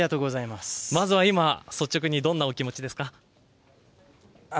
まずは率直に、どんな気持ちですか？